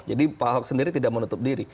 jadi pak ahok sendiri tidak menutup diri